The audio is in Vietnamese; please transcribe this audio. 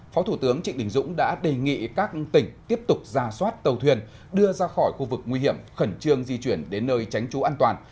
phó thủ tướng trịnh đình dũng đã đề nghị các tỉnh tiếp tục ra soát tàu thuyền đưa ra khỏi khu vực nguy hiểm khẩn trương di chuyển đến nơi tránh trú an toàn